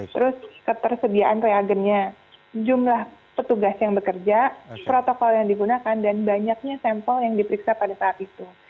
terus ketersediaan reagennya jumlah petugas yang bekerja protokol yang digunakan dan banyaknya sampel yang diperiksa pada saat itu